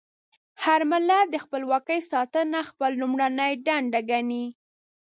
هر ملت د خپلواکۍ ساتنه خپله لومړنۍ دنده ګڼي.